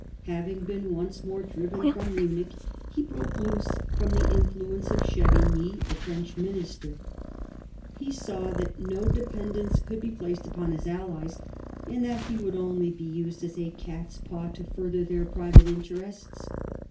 Having been once more driven from Munich, he broke loose from the influence of Chevigny, the French minister. He saw that no dependence could be placed upon his allies, and that he would only be used as a cat's paw to further their private interests.